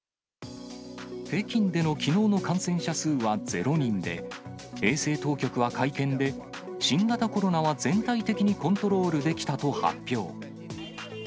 北京でのきのうの感染者数は０人で、衛生当局は会見で、新型コロナは全体的にコントロールできたと発表。